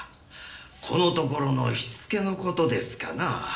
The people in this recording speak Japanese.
このところの火付けの事ですかな。